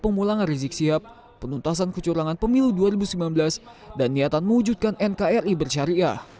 pemulangan rizik sihab penuntasan kecurangan pemilu dua ribu sembilan belas dan niatan mewujudkan nkri bersyariah